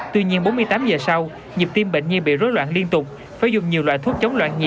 tuy nhiên bốn mươi tám giờ sau nhịp tim bệnh nhi bị rối loạn liên tục phải dùng nhiều loại thuốc chống loạn nhẹ